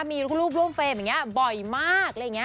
มีรูปร่วมเฟรมอย่างนี้บ่อยมาก